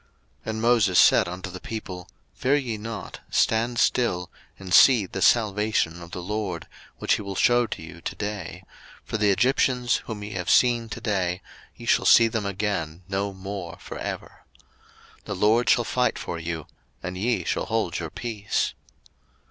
02:014:013 And Moses said unto the people, Fear ye not, stand still, and see the salvation of the LORD, which he will shew to you to day: for the Egyptians whom ye have seen to day, ye shall see them again no more for ever. 02:014:014 The LORD shall fight for you, and ye shall hold your peace.